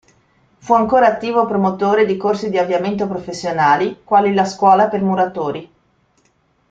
Fu ancora attivo promotore di corsi di avviamento professionali, quali la Scuola per muratori.